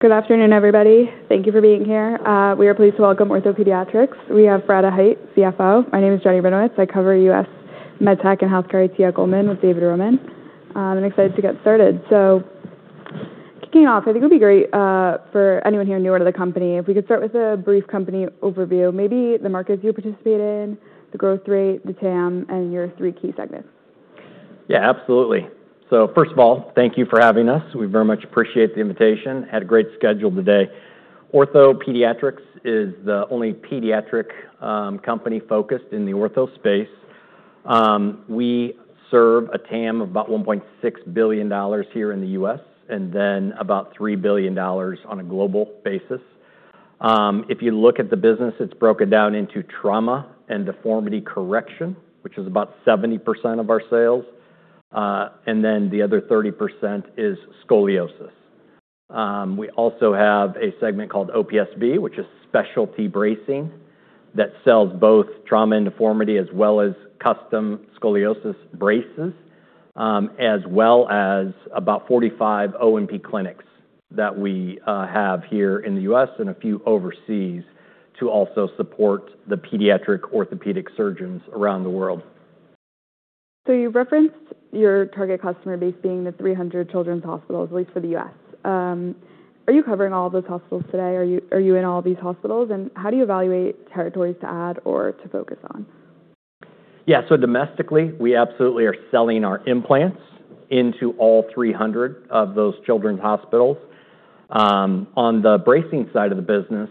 Good afternoon, everybody. Thank you for being here. We are pleased to welcome OrthoPediatrics. We have Fred Hite, CFO. My name is Jenny Rabinowitz. I cover U.S. MedTech and Healthcare at Goldman Sachs with David Roman. I'm excited to get started. Kicking off, I think it'd be great for anyone here newer to the company, if we could start with a brief company overview, maybe the markets you participate in, the growth rate, the TAM, and your three key segments. Yeah, absolutely. First of all, thank you for having us. We very much appreciate the invitation. Had a great schedule today. OrthoPediatrics is the only pediatric company focused in the ortho space. We serve a TAM of about $1.6 billion here in the U.S., and then about $3 billion on a global basis. If you look at the business, it's broken down into trauma and deformity correction, which is about 70% of our sales. The other 30% is scoliosis. We also have a segment called OPSB, which is specialty bracing that sells both trauma and deformity, as well as custom scoliosis braces, as well as about 45 O&P clinics that we have here in the U.S. and a few overseas to also support the pediatric orthopedic surgeons around the world. You referenced your target customer base being the 300 children's hospitals, at least for the U.S. Are you covering all of those hospitals today? Are you in all these hospitals and how do you evaluate territories to add or to focus on? Yeah. Domestically, we absolutely are selling our implants into all 300 of those children's hospitals. On the bracing side of the business,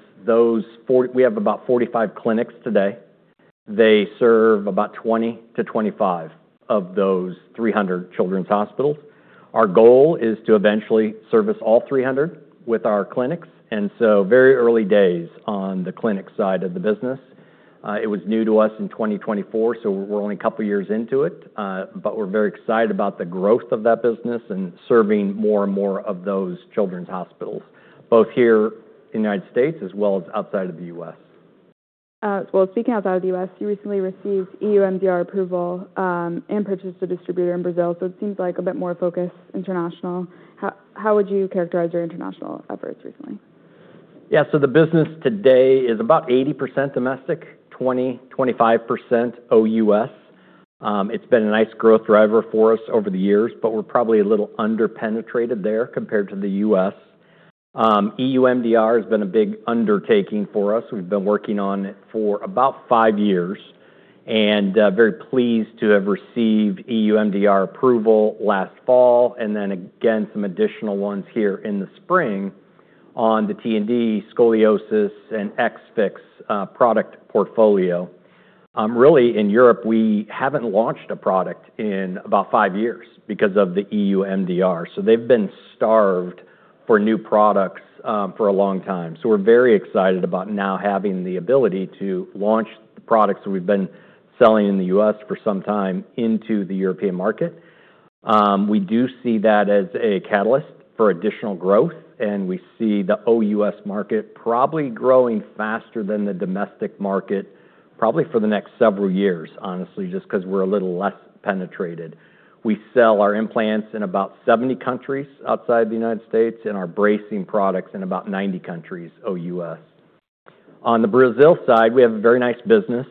we have about 45 clinics today. They serve about 20-25 of those 300 children's hospitals. Our goal is to eventually service all 300 with our clinics, very early days on the clinic side of the business. It was new to us in 2024, we're only a couple of years into it. We're very excited about the growth of that business and serving more and more of those children's hospitals, both here in the United States as well as outside of the U.S. Well, speaking outside of the U.S., you recently received EU MDR approval, and purchased a distributor in Brazil, so it seems like a bit more focus international. How would you characterize your international efforts recently? Yeah. The business today is about 80% domestic, 20%, 25% OUS. It's been a nice growth driver for us over the years, but we're probably a little under-penetrated there compared to the U.S. EU MDR has been a big undertaking for us. We've been working on it for about five years and very pleased to have received EU MDR approval last fall, and then again, some additional ones here in the spring on the T&D scoliosis and XFIX product portfolio. Really in Europe, we haven't launched a product in about five years because of the EU MDR. They've been starved for new products for a long time. We're very excited about now having the ability to launch the products that we've been selling in the U.S. for some time into the European market. We do see that as a catalyst for additional growth, we see the OUS market probably growing faster than the domestic market probably for the next several years, honestly, just because we're a little less penetrated. We sell our implants in about 70 countries outside the United States and our bracing products in about 90 countries OUS. On the Brazil side, we have a very nice business,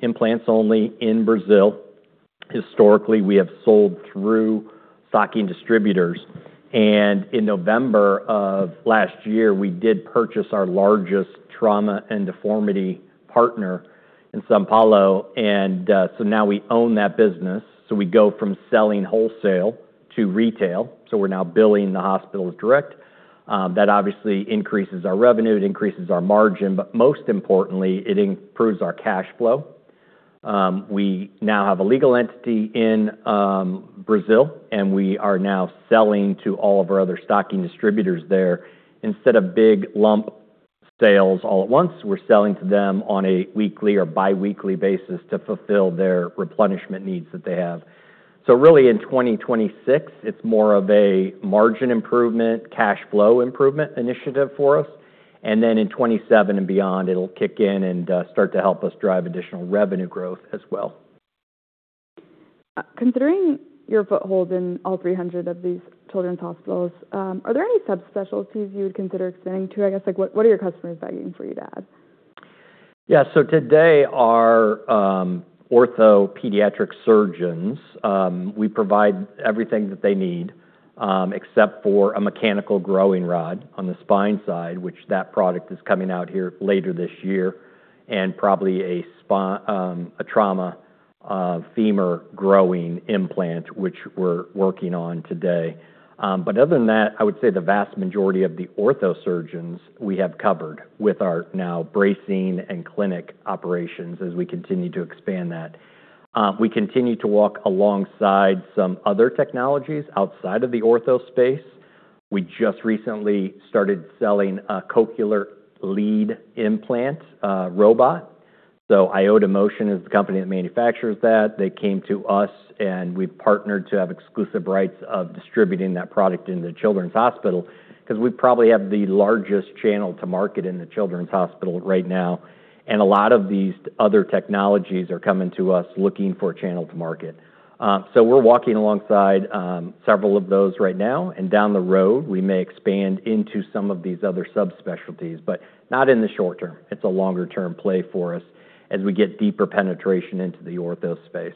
implants only in Brazil. Historically, we have sold through stocking distributors, in November of last year, we did purchase our largest trauma and deformity partner in São Paulo, and now we own that business. We go from selling wholesale to retail, so we're now billing the hospitals direct. That obviously increases our revenue, it increases our margin, but most importantly, it improves our cash flow. We now have a legal entity in Brazil, we are now selling to all of our other stocking distributors there. Instead of big lump sales all at once, we're selling to them on a weekly or biweekly basis to fulfill their replenishment needs that they have. Really in 2026, it's more of a margin improvement, cash flow improvement initiative for us. In 2027 and beyond, it'll kick in and start to help us drive additional revenue growth as well. Considering your foothold in all 300 of these children's hospitals, are there any subspecialties you would consider expanding to? I guess, what are your customers begging for you to add? Yeah. Today our ortho pediatric surgeons, we provide everything that they need, except for a mechanical growing rod on the spine side, which that product is coming out here later this year, and probably a trauma femur growing implant, which we're working on today. Other than that, I would say the vast majority of the ortho surgeons we have covered with our now bracing and clinic operations as we continue to expand that. We continue to walk alongside some other technologies outside of the ortho space. We just recently started selling a cochlear lead implant robot. iotaMotion is the company that manufactures that They came to us, we partnered to have exclusive rights of distributing that product in the children's hospital, because we probably have the largest channel to market in the children's hospital right now, and a lot of these other technologies are coming to us looking for a channel to market. We're walking alongside several of those right now, and down the road, we may expand into some of these other subspecialties, but not in the short term. It's a longer-term play for us as we get deeper penetration into the ortho space.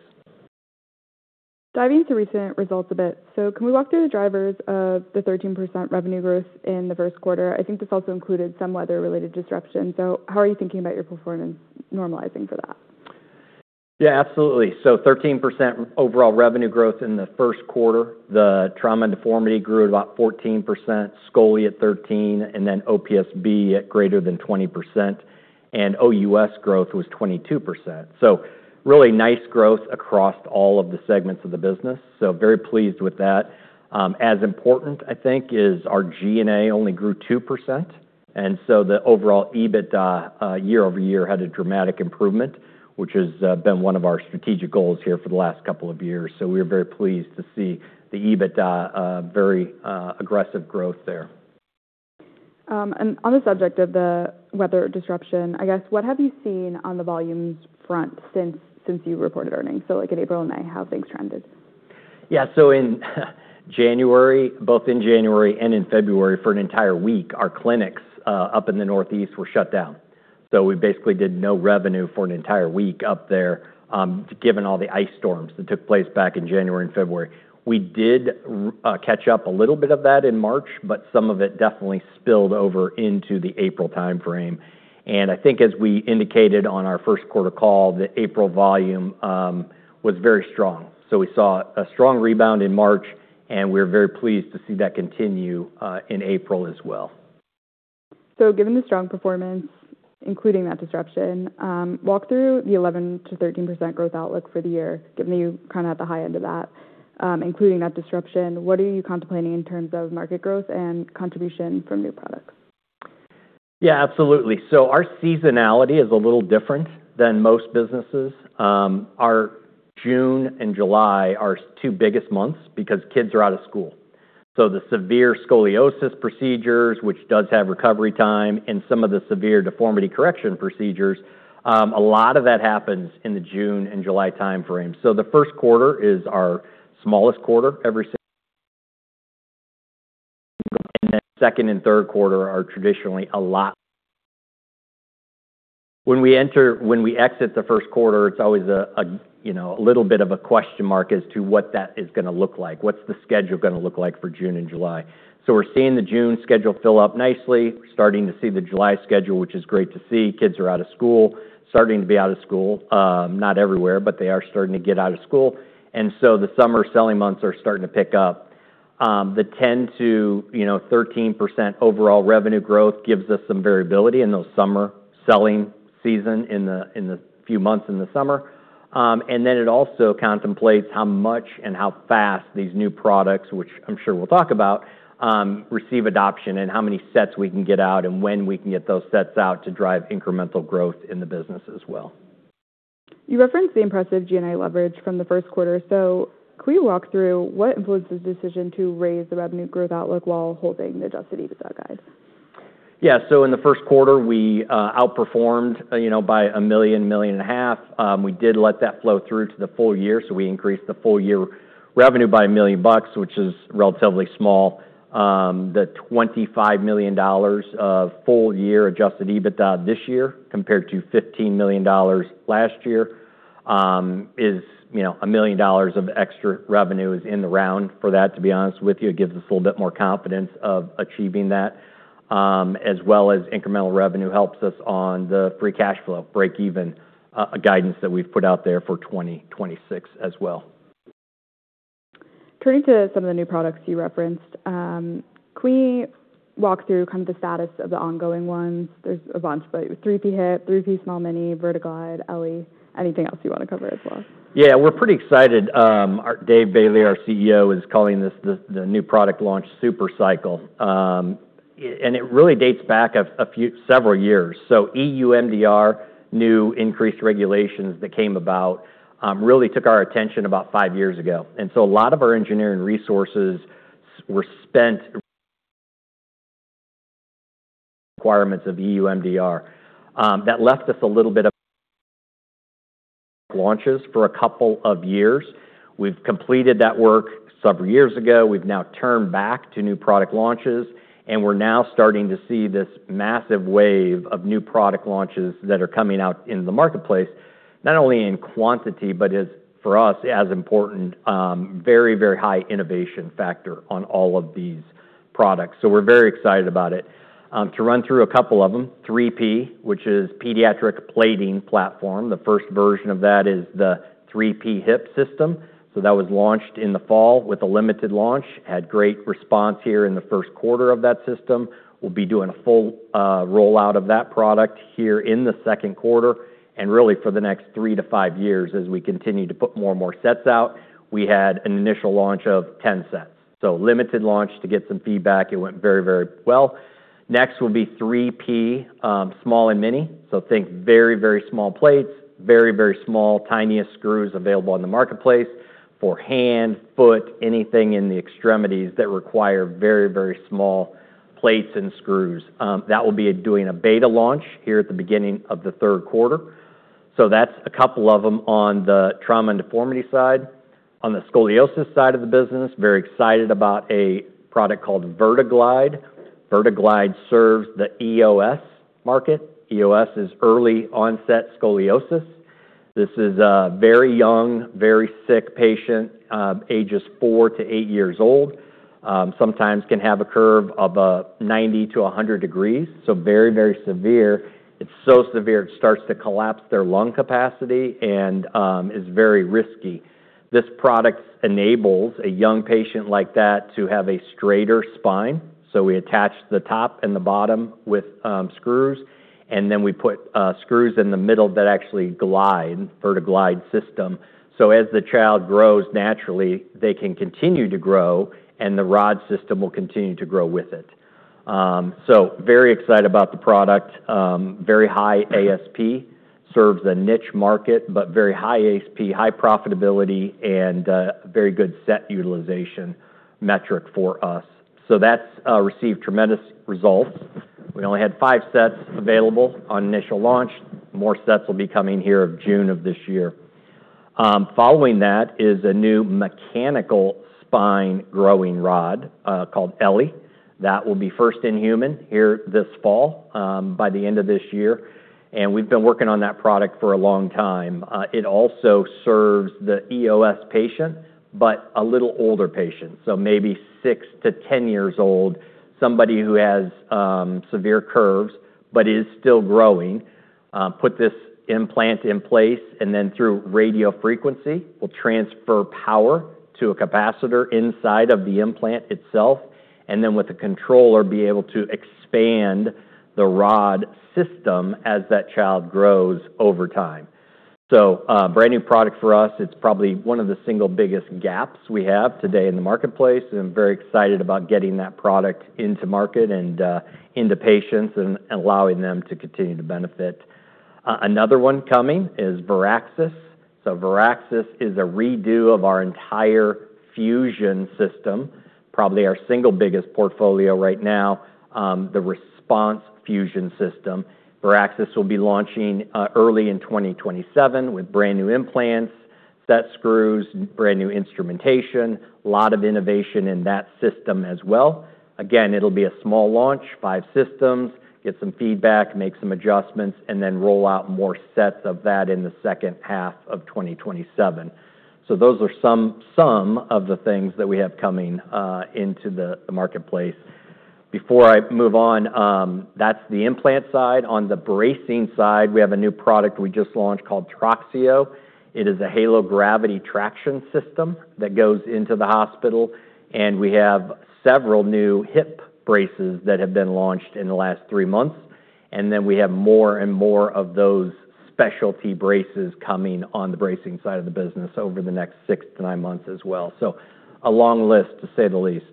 Diving into recent results a bit. Can we walk through the drivers of the 13% revenue growth in the first quarter? I think this also included some weather-related disruptions. How are you thinking about your performance normalizing for that? Yeah, absolutely. 13% overall revenue growth in the first quarter. The trauma and deformity grew at about 14%, scolio at 13%, and then OPSB at greater than 20%, and OUS growth was 22%. Really nice growth across all of the segments of the business. Very pleased with that. As important, I think, is our G&A only grew 2%, and the overall EBITDA year-over-year had a dramatic improvement, which has been one of our strategic goals here for the last couple of years. We are very pleased to see the EBITDA very aggressive growth there. On the subject of the weather disruption, I guess, what have you seen on the volumes front since you reported earnings? Like in April and May, how have things trended? Yeah. Both in January and in February, for an entire week, our clinics up in the Northeast were shut down. We basically did no revenue for an entire week up there, given all the ice storms that took place back in January and February. We did catch up a little bit of that in March, but some of it definitely spilled over into the April time-frame. I think as we indicated on our first quarter call, the April volume was very strong. We saw a strong rebound in March, and we're very pleased to see that continue in April as well. Given the strong performance, including that disruption, walk through the 11%-13% growth outlook for the year, given that you're kind of at the high end of that. Including that disruption, what are you contemplating in terms of market growth and contribution from new products? Absolutely. Our seasonality is a little different than most businesses. Our June and July are our two biggest months because kids are out of school. The severe scoliosis procedures, which does have recovery time, and some of the severe deformity correction procedures, a lot of that happens in the June and July timeframe. The first quarter is our smallest quarter. Second and third quarter are traditionally. When we exit the first quarter, it's always a little bit of a question mark as to what that is going to look like. What's the schedule going to look like for June and July? We're seeing the June schedule fill up nicely. We're starting to see the July schedule, which is great to see. Kids are out of school, starting to be out of school. Not everywhere, but they are starting to get out of school. The summer selling months are starting to pick up. The 10%-13% overall revenue growth gives us some variability in those summer selling season, in the few months in the summer. It also contemplates how much and how fast these new products, which I'm sure we'll talk about, receive adoption and how many sets we can get out and when we can get those sets out to drive incremental growth in the business as well. You referenced the impressive G&A leverage from the first quarter. Can we walk through what influenced the decision to raise the revenue growth outlook while holding the adjusted EBITDA guide? In the first quarter, we outperformed by $1 million, a million and a half. We did let that flow through to the full year, so we increased the full-year revenue by $1 million, which is relatively small. The $25 million of full-year adjusted EBITDA this year compared to $15 million last year is. $1 million of extra revenue is in the round for that, to be honest with you. It gives us a little bit more confidence of achieving that, as well as incremental revenue helps us on the free cash flow breakeven, a guidance that we've put out there for 2026 as well. Turning to some of the new products you referenced, can we walk through kind of the status of the ongoing ones? There's a bunch, but 3P Hip, 3P Small Mini, VertiGlide, eLLi, anything else you want to cover as well. Yeah, we're pretty excited. Dave Bailey, our CEO, is calling this the new product launch super cycle. It really dates back a few, several years. EU MDR, new increased regulations that came about, really took our attention about five years ago. A lot of our engineering resources were spent requirements of EU MDR. That left us a little bit of launches for a couple of years. We've completed that work several years ago. We've now turned back to new product launches, and we're now starting to see this massive wave of new product launches that are coming out in the marketplace, not only in quantity, but as, for us, as important, very high innovation factor on all of these products. We're very excited about it. To run through a couple of them, 3P, which is pediatric plating platform. The first version of that is the 3P Hip System. That was launched in the fall with a limited launch. Had great response here in the first quarter of that system. We'll be doing a full rollout of that product here in the second quarter and really for the next three to five years as we continue to put more and more sets out. We had an initial launch of 10 sets. Limited launch to get some feedback. It went very well. Next will be 3P Small and Mini. Think very small plates, very small, tiniest screws available in the marketplace for hand, foot, anything in the extremities that require very small plates and screws. That will be doing a beta launch here at the beginning of the third quarter. That's a couple of them on the trauma and deformity side. On the scoliosis side of the business, very excited about a product called VertiGlide. VertiGlide serves the EOS market. EOS is early onset scoliosis. This is a very young, very sick patient, ages four to eight years old. Sometimes can have a curve of 90-100 degrees, so very severe. It's so severe it starts to collapse their lung capacity and is very risky. This product enables a young patient like that to have a straighter spine. We attach the top and the bottom with screws, and then we put screws in the middle that actually glide, VertiGlide system. As the child grows naturally, they can continue to grow, and the rod system will continue to grow with it. Very excited about the product. Very high ASP. Serves a niche market, very high ASP, high profitability, and very good set utilization metric for us. That's received tremendous results. We only had five sets available on initial launch. More sets will be coming here of June of this year. Following that is a new mechanical spine growing rod, called eLLi. That will be first in human here this fall, by the end of this year. We've been working on that product for a long time. It also serves the EOS patient, but a little older patient, so maybe six to 10 years old, somebody who has severe curves but is still growing. Put this implant in place, and then through radio frequency, we'll transfer power to a capacitor inside of the implant itself, and then with a controller, be able to expand the rod system as that child grows over time. A brand new product for us. It's probably one of the single biggest gaps we have today in the marketplace, and very excited about getting that product into market and into patients and allowing them to continue to benefit. Another one coming is Veraxis. Veraxis is a redo of our entire fusion system, probably our single biggest portfolio right now, the RESPONSE Fusion system. Veraxis will be launching early in 2027 with brand new implants, set screws, brand new instrumentation. Lot of innovation in that system as well. Again, it'll be a small launch, five systems, get some feedback, make some adjustments, and then roll out more sets of that in the second half of 2027. Those are some of the things that we have coming into the marketplace. Before I move on, that's the implant side. On the bracing side, we have a new product we just launched called TRAXIO. It is a halo gravity traction system that goes into the hospital. We have several new hip braces that have been launched in the last three months. We have more and more of those specialty braces coming on the bracing side of the business over the next six to nine months as well. A long list, to say the least.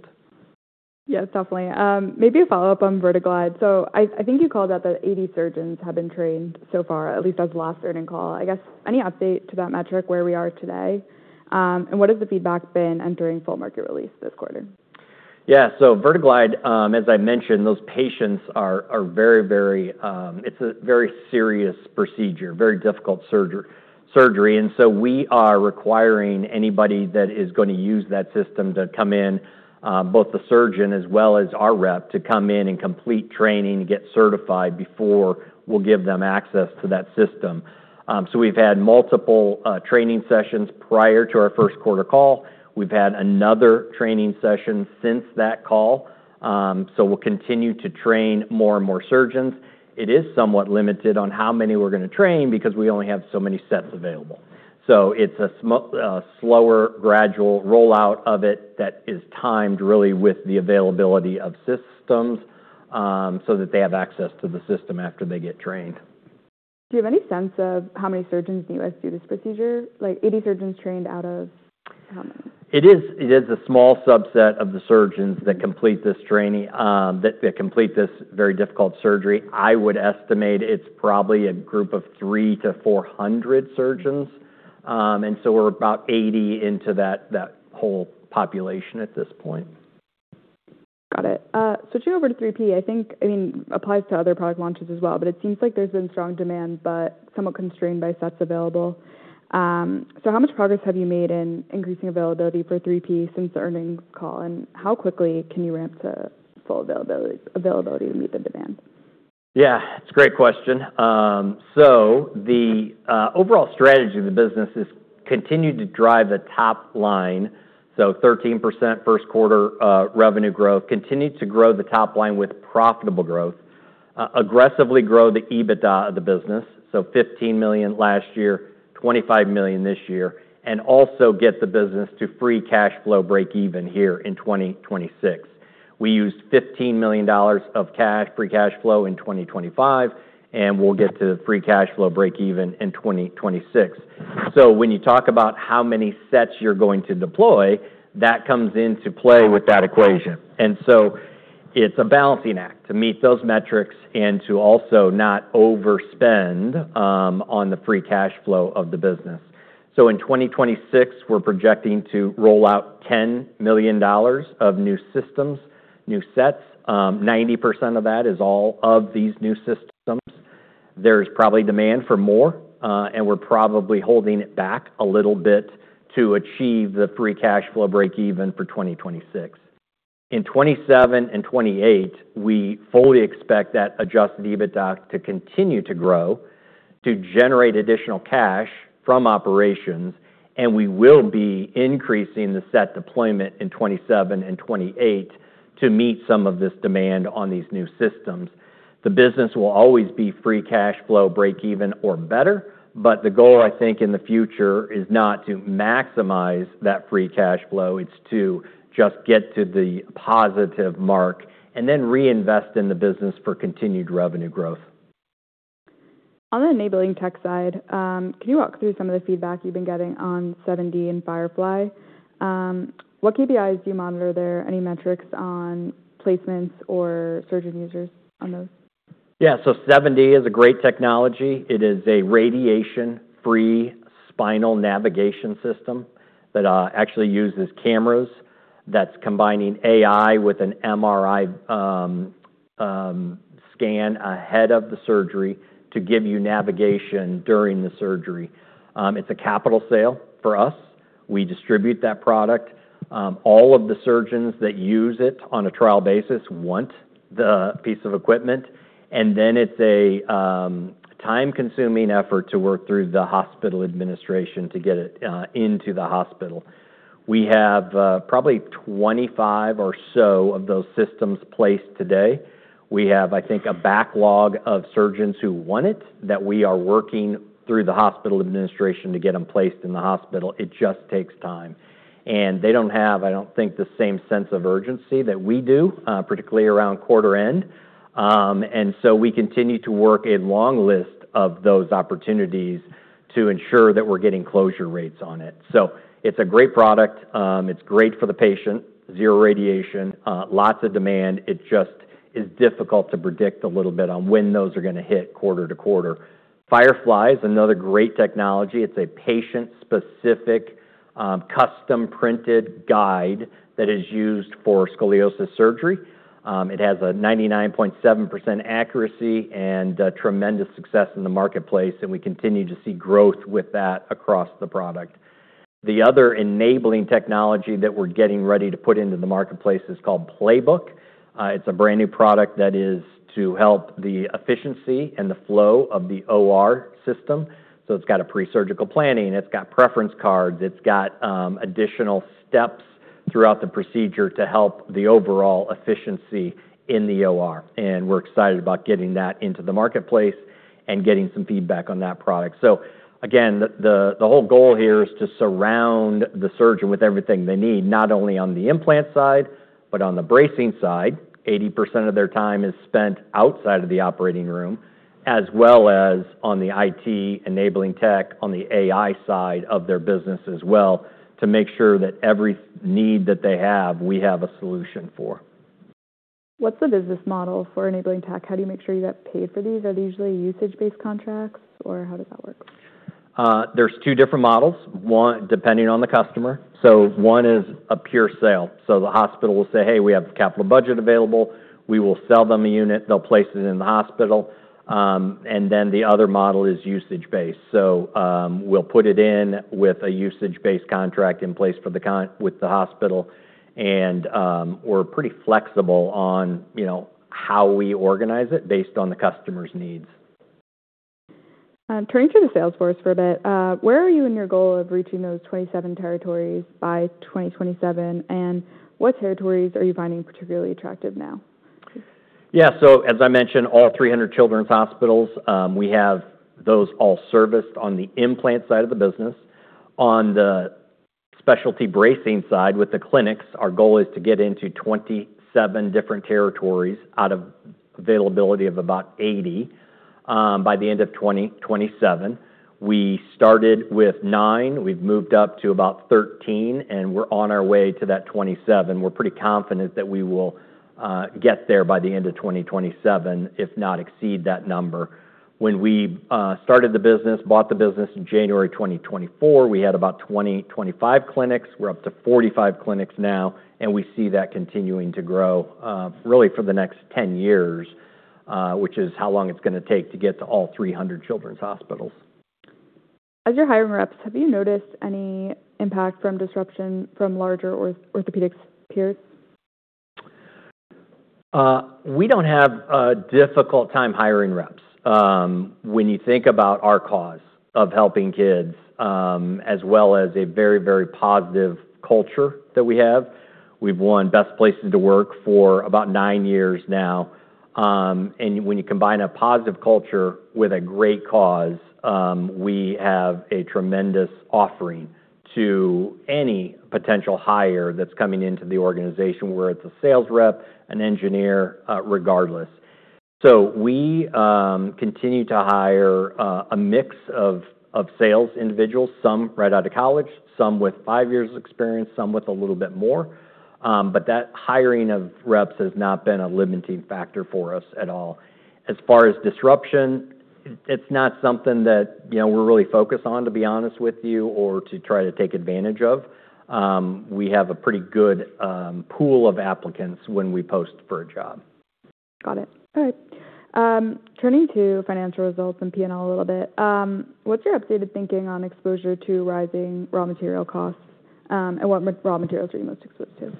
Yes, definitely. Maybe a follow-up on VertiGlide. I think you called out that 80 surgeons have been trained so far, at least as of last earning call. Any update to that metric, where we are today? What has the feedback been entering full market release this quarter? Yeah. VertiGlide, as I mentioned, those patients, it's a very serious procedure, very difficult surgery. We are requiring anybody that is going to use that system to come in, both the surgeon as well as our rep, to come in and complete training and get certified before we'll give them access to that system. We've had multiple training sessions prior to our first quarter call. We've had another training session since that call. We'll continue to train more and more surgeons. It is somewhat limited on how many we're going to train because we only have so many sets available. It's a slower gradual rollout of it that is timed really with the availability of systems, so that they have access to the system after they get trained. Do you have any sense of how many surgeons in the U.S. do this procedure? Like 80 surgeons trained out of how many? It is a small subset of the surgeons that complete this very difficult surgery. I would estimate it's probably a group of three to 400 surgeons. We're about 80 into that whole population at this point. Got it. Switching over to 3P, I think, applies to other product launches as well. It seems like there's been strong demand, but somewhat constrained by sets available. How much progress have you made in increasing availability for 3P since the earnings call, and how quickly can you ramp to full availability to meet the demand? Yeah. The overall strategy of the business is continue to drive the top line, so 13% first quarter revenue growth. Continue to grow the top line with profitable growth. Aggressively grow the EBITDA of the business, so $15 million last year, $25 million this year. Also get the business to free cash flow breakeven here in 2026. We used $15 million of cash, free cash flow in 2025, and we'll get to free cash flow breakeven in 2026. When you talk about how many sets you're going to deploy, that comes into play with that equation. It's a balancing act to meet those metrics and to also not overspend on the free cash flow of the business. In 2026, we're projecting to roll out $10 million of new systems, new sets. 90% of that is all of these new systems. There's probably demand for more, and we're probably holding it back a little bit to achieve the free cash flow breakeven for 2026. In 2027 and 2028, we fully expect that adjusted EBITDA to continue to grow to generate additional cash from operations, and we will be increasing the set deployment in 2027 and 2028 to meet some of this demand on these new systems. The business will always be free cash flow breakeven or better. The goal, I think, in the future is not to maximize that free cash flow. It's to just get to the positive mark and then reinvest in the business for continued revenue growth. On the enabling tech side, can you walk through some of the feedback you've been getting on 7D and FIREFLY? What KPIs do you monitor there? Any metrics on placements or surgeon users on those? Yeah. 7D is a great technology. It is a radiation-free spinal navigation system that actually uses cameras that's combining AI with an MRI scan ahead of the surgery to give you navigation during the surgery. It's a capital sale for us. We distribute that product. All of the surgeons that use it on a trial basis want the piece of equipment. Then it's a time-consuming effort to work through the hospital administration to get it into the hospital. We have probably 25 or so of those systems placed today. We have, I think, a backlog of surgeons who want it that we are working through the hospital administration to get them placed in the hospital. It just takes time. They don't have, I don't think, the same sense of urgency that we do, particularly around quarter end. We continue to work a long list of those opportunities to ensure that we're getting closure rates on it. It's a great product. It's great for the patient. Zero radiation, lots of demand. It just is difficult to predict a little bit on when those are going to hit quarter to quarter. FIREFLY is another great technology. It's a patient-specific, custom-printed guide that is used for scoliosis surgery. It has a 99.7% accuracy and tremendous success in the marketplace, and we continue to see growth with that across the product. The other enabling technology that we're getting ready to put into the marketplace is called Playbook. It's a brand-new product that is to help the efficiency and the flow of the OR system. It's got a pre-surgical planning, it's got preference cards, it's got additional steps throughout the procedure to help the overall efficiency in the OR. We're excited about getting that into the marketplace and getting some feedback on that product. Again, the whole goal here is to surround the surgeon with everything they need, not only on the implant side, but on the bracing side. 80% of their time is spent outside of the operating room, as well as on the IT enabling tech on the AI side of their business as well, to make sure that every need that they have, we have a solution for. What's the business model for enabling tech? How do you make sure you get paid for these? Are they usually usage-based contracts, or how does that work? There's two different models, one depending on the customer. One is a pure sale. The hospital will say, "Hey, we have the capital budget available." We will sell them a unit. They'll place it in the hospital. Then the other model is usage-based. We'll put it in with a usage-based contract in place with the hospital. We're pretty flexible on how we organize it based on the customer's needs. Turning to the sales force for a bit, where are you in your goal of reaching those 27 territories by 2027, what territories are you finding particularly attractive now? Yeah. As I mentioned, all 300 children's hospitals, we have those all serviced on the implant side of the business. On the Specialty Bracing side with the clinics, our goal is to get into 27 different territories out of availability of about 80 by the end of 2027. We started with nine, we've moved up to about 13, we're on our way to that 27. We're pretty confident that we will get there by the end of 2027, if not exceed that number. When we started the business, bought the business in January 2024, we had about 20, 25 clinics. We're up to 45 clinics now, we see that continuing to grow really for the next 10 years, which is how long it's going to take to get to all 300 children's hospitals. As you're hiring reps, have you noticed any impact from disruption from larger orthopedics peers? We don't have a difficult time hiring reps. When you think about our cause of helping kids, as well as a very positive culture that we have. We've won Best Places To Work for about nine years now. When you combine a positive culture with a great cause, we have a tremendous offering to any potential hire that's coming into the organization, whether it's a sales rep, an engineer, regardless. We continue to hire a mix of sales individuals, some right out of college, some with five years of experience, some with a little bit more. That hiring of reps has not been a limiting factor for us at all. As far as disruption, it's not something that we're really focused on, to be honest with you, or to try to take advantage of. We have a pretty good pool of applicants when we post for a job. Got it. All right. Turning to financial results and P&L a little bit, what's your updated thinking on exposure to rising raw material costs? What raw materials are you most exposed to?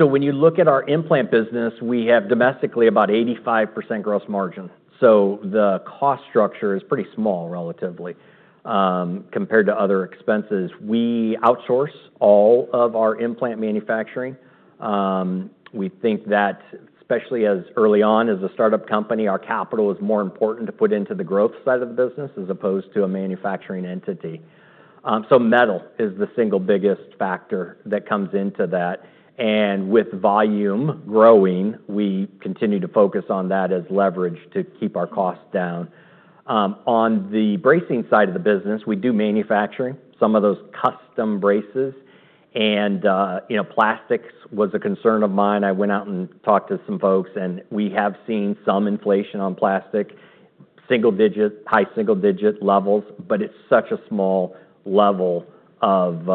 When you look at our implant business, we have domestically about 85% gross margin. The cost structure is pretty small relatively, compared to other expenses. We outsource all of our implant manufacturing. We think that, especially as early on as a startup company, our capital is more important to put into the growth side of the business as opposed to a manufacturing entity. Metal is the single biggest factor that comes into that. With volume growing, we continue to focus on that as leverage to keep our costs down. On the bracing side of the business, we do manufacturing some of those custom braces, plastics was a concern of mine. I went out and talked to some folks, we have seen some inflation on plastic, high single-digit levels, it's such a small level of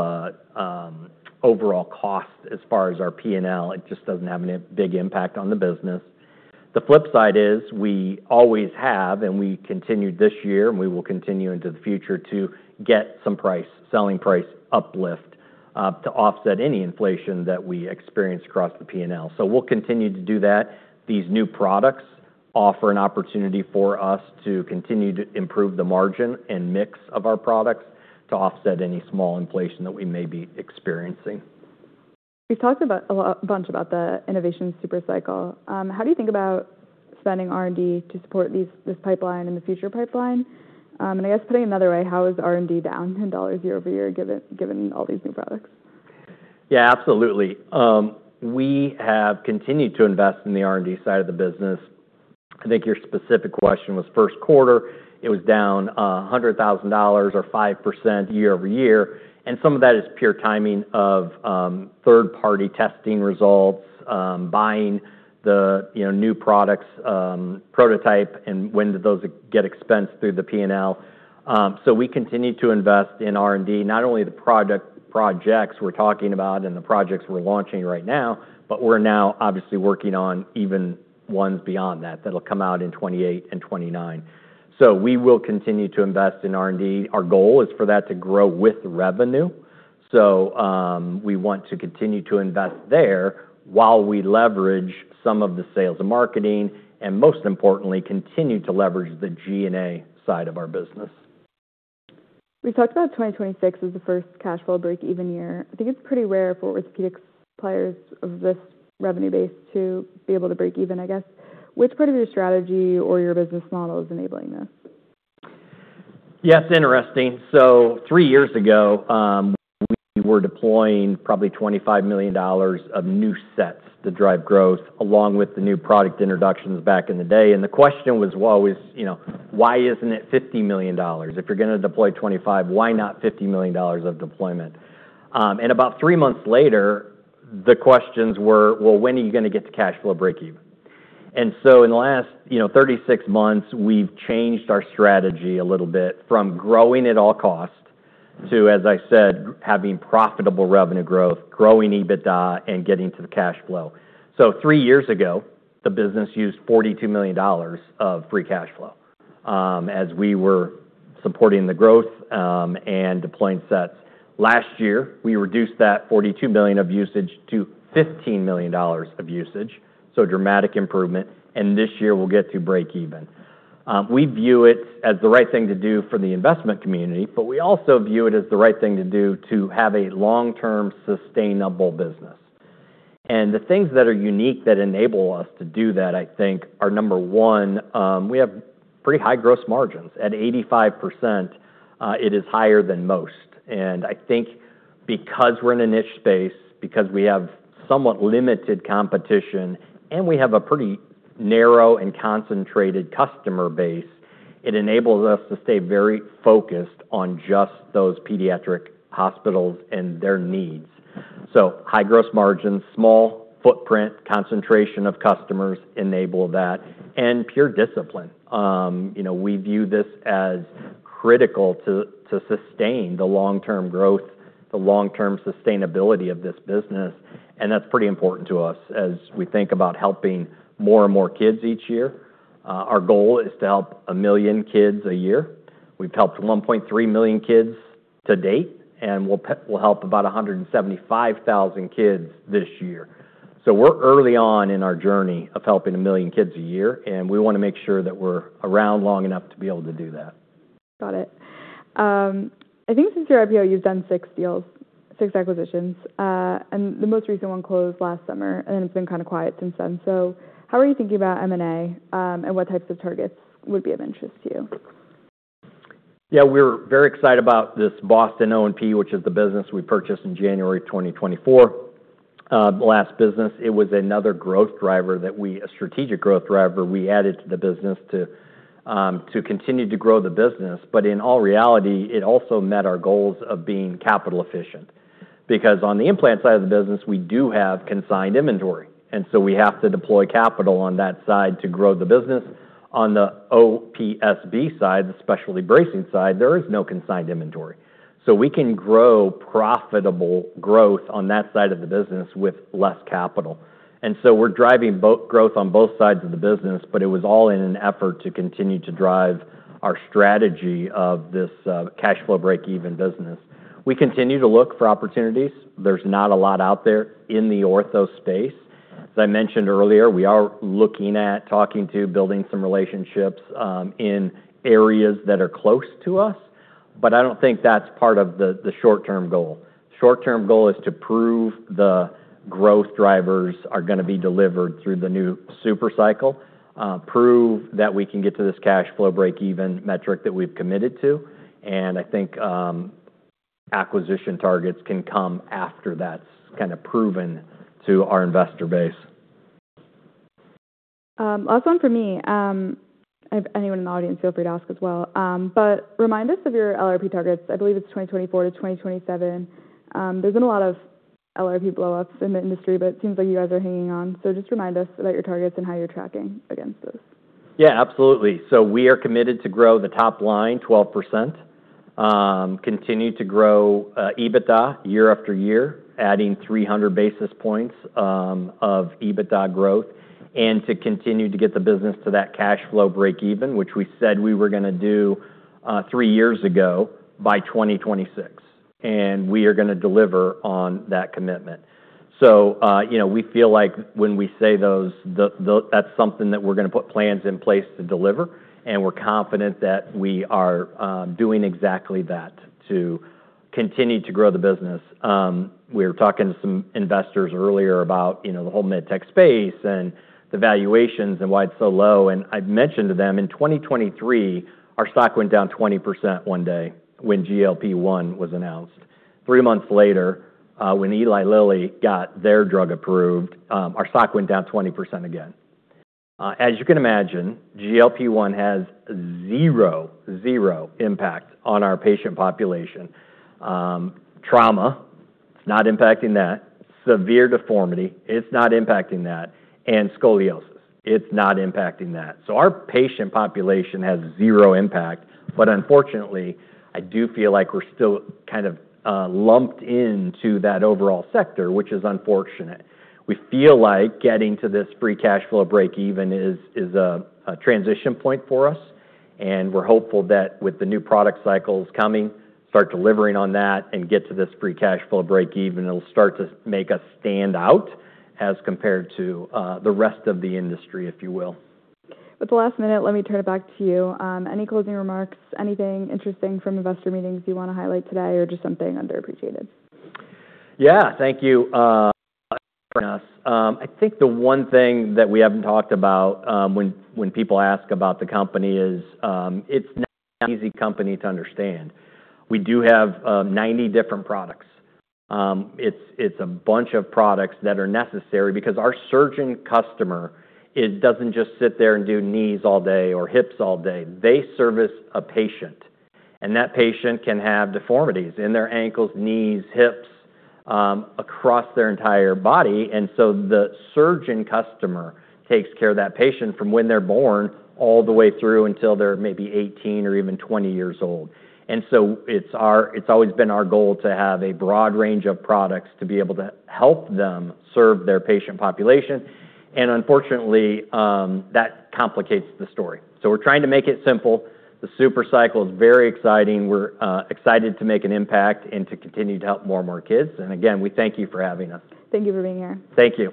overall cost as far as our P&L. It just doesn't have any big impact on the business. The flip side is we always have, we continued this year, and we will continue into the future to get some selling price uplift, to offset any inflation that we experience across the P&L. We'll continue to do that. These new products offer an opportunity for us to continue to improve the margin and mix of our products to offset any small inflation that we may be experiencing. You talked a bunch about the innovation super cycle. How do you think about spending R&D to support this pipeline and the future pipeline? I guess putting another way, how is R&D down $10 year-over-year, given all these new products? Yeah, absolutely. We have continued to invest in the R&D side of the business. I think your specific question was first quarter, it was down $100,000 or 5% year-over-year, Some of that is pure timing of third-party testing results, buying the new products, prototype and when do those get expensed through the P&L. We continue to invest in R&D, not only the projects we're talking about and the projects we're launching right now, but we're now obviously working on even ones beyond that'll come out in 2028 and 2029. We will continue to invest in R&D. Our goal is for that to grow with revenue. We want to continue to invest there while we leverage some of the sales and marketing, and most importantly, continue to leverage the G&A side of our business. We talked about 2026 as the first cash flow breakeven year. I think it's pretty rare for orthopedic suppliers of this revenue base to be able to break even, I guess. Which part of your strategy or your business model is enabling this? Yeah, it's interesting. Three years ago, we were deploying probably $25 million of new sets to drive growth along with the new product introductions back in the day. The question was always, "Why isn't it $50 million? If you're going to deploy 25, why not $50 million of deployment?" About three months later, the questions were, "Well, when are you going to get to cash flow breakeven?" In the last 36 months, we've changed our strategy a little bit from growing at all costs to, as I said, having profitable revenue growth, growing EBITDA and getting to the cash flow. Three years ago, the business used $42 million of free cash flow, as we were supporting the growth, and deploying sets. Last year, we reduced that $42 million of usage to $15 million of usage, so a dramatic improvement. This year we'll get to breakeven. We view it as the right thing to do for the investment community, we also view it as the right thing to do to have a long-term sustainable business. The things that are unique that enable us to do that, I think are number one, we have pretty high gross margins. At 85%, it is higher than most. I think because we're in a niche space, because we have somewhat limited competition, and we have a pretty narrow and concentrated customer base, it enables us to stay very focused on just those pediatric hospitals and their needs. High gross margins, small footprint, concentration of customers enable that, and pure discipline. We view this as critical to sustain the long-term growth, the long-term sustainability of this business. That's pretty important to us as we think about helping more and more kids each year. Our goal is to help one million kids a year. We've helped 1.3 million kids to date, and we'll help about 175,000 kids this year. We're early on in our journey of helping one million kids a year, and we want to make sure that we're around long enough to be able to do that. Got it. I think since your IPO, you've done six deals, six acquisitions. The most recent one closed last summer, then it's been kind of quiet since then. How are you thinking about M&A, and what types of targets would be of interest to you? We're very excited about this Boston O&P, which is the business we purchased in January 2024. Last business, it was another strategic growth driver that we added to the business to continue to grow the business. In all reality, it also met our goals of being capital efficient. Because on the implant side of the business, we do have consigned inventory, so we have to deploy capital on that side to grow the business. On the OPSB side, the specialty bracing side, there is no consigned inventory. We can grow profitable growth on that side of the business with less capital. We're driving growth on both sides of the business, it was all in an effort to continue to drive our strategy of this cash flow breakeven business. We continue to look for opportunities. There's not a lot out there in the ortho space. As I mentioned earlier, we are looking at building some relationships in areas that are close to us. I don't think that's part of the short-term goal. Short-term goal is to prove the growth drivers are going to be delivered through the new super cycle, prove that we can get to this cash flow breakeven metric that we've committed to. I think acquisition targets can come after that's kind of proven to our investor base. Last one from me. If anyone in the audience, feel free to ask as well. Remind us of your LRP targets. I believe it's 2024-2027. There's been a lot of LRP blowups in the industry, it seems like you guys are hanging on. Just remind us about your targets and how you're tracking against those. Yeah, absolutely. We are committed to grow the top line 12%, continue to grow EBITDA year after year, adding 300 basis points of EBITDA growth, to continue to get the business to that cash flow breakeven, which we said we were going to do three years ago by 2026. We are going to deliver on that commitment. We feel like when we say those, that's something that we're going to put plans in place to deliver, we're confident that we are doing exactly that to continue to grow the business. We were talking to some investors earlier about the whole MedTech space and the valuations and why it's so low. I'd mentioned to them, in 2023, our stock went down 20% one day when GLP-1 was announced. Three months later, when Eli Lilly got their drug approved, our stock went down 20% again. As you can imagine, GLP-1 has zero impact on our patient population. Trauma, it's not impacting that. Severe deformity, it's not impacting that. Scoliosis, it's not impacting that. Our patient population has zero impact, unfortunately, I do feel like we're still kind of lumped into that overall sector, which is unfortunate. We feel like getting to this free cash flow breakeven is a transition point for us, we're hopeful that with the new product cycles coming, start delivering on that and get to this free cash flow breakeven, it'll start to make us stand out as compared to the rest of the industry, if you will. With the last minute, let me turn it back to you. Any closing remarks, anything interesting from investor meetings you want to highlight today or just something underappreciated? Yeah. Thank you for asking us. I think the one thing that we haven't talked about when people ask about the company is it's not an easy company to understand. We do have 90 different products. It's a bunch of products that are necessary because our surgeon customer doesn't just sit there and do knees all day or hips all day. They service a patient, and that patient can have deformities in their ankles, knees, hips, across their entire body. The surgeon customer takes care of that patient from when they're born all the way through until they're maybe 18 or even 20 years old. It's always been our goal to have a broad range of products to be able to help them serve their patient population. Unfortunately, that complicates the story. We're trying to make it simple. The super cycle is very exciting. We're excited to make an impact and to continue to help more and more kids. Again, we thank you for having us. Thank you for being here. Thank you.